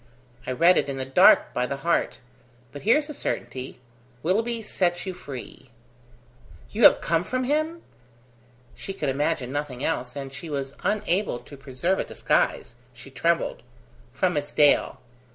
I read it in the dark, by the heart. But here's a certainty: Willoughby sets you free." "You have come from him?" she could imagine nothing else, and she was unable to preserve a disguise; she trembled. "From Miss Dale."